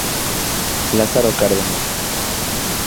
Lázaro Cárdenas.